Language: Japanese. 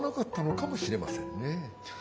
かもしれません